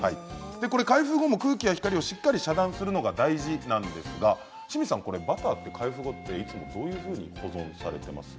開封後も空気や光をしっかり遮断するのが大事なんですが清水さんはバターは開封後はいつもどうやって保存されていますか？